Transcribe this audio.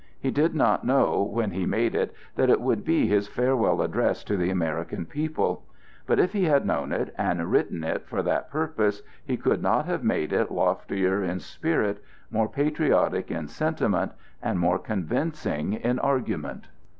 He did not know, when he made it, that it would be his farewell address to the American people; but if he had known it and written it for that purpose, he could not have made it loftier in spirit, more patriotic in sentiment, and more convincing in argument.